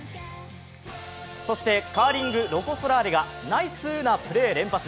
そして、カーリング、ロコ・ソラーレがナイスなプレー連発。